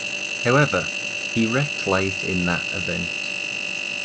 However, he wrecked late in that event.